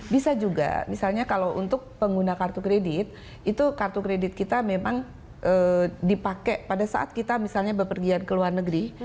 bisa juga misalnya kalau untuk pengguna kartu kredit itu kartu kredit kita memang dipakai pada saat kita misalnya berpergian ke luar negeri